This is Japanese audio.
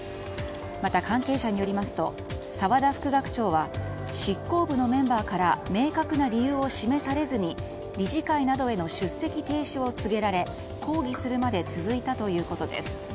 また、関係者によりますと沢田副学長は執行部のメンバーから明確な理由を示されずに理事会などへの出席停止を告げられ抗議するまで続いたということです。